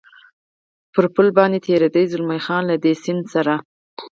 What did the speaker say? پر پل باندې تېرېده، زلمی خان: له دې سیند سره.